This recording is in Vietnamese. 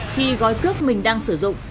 khi gói cước mình đang sử dụng